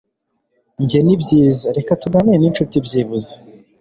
njye nibyiza, reka tuganire ninshuti byibuze